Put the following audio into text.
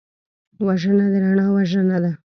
وژنه د رڼا وژنه ده